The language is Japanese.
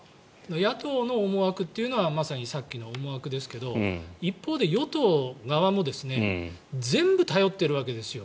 野党の思惑というのはまさにさっきの思惑ですけど一方で与党側も全部頼っているわけですよ。